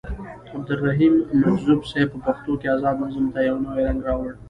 عبدالرحيم مجذوب صيب په پښتو کې ازاد نظم ته يو نوې رنګ راوړو.